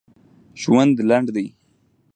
ژوند لنډ دی